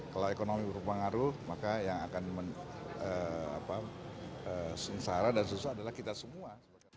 kalau ekonomi berpengaruh maka yang akan sengsara dan susah adalah kita semua